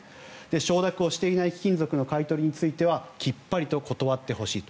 承諾をしていない貴金属の買い取りについてはきっぱりと買い取ってほしいと。